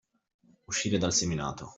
Uscire dal seminato.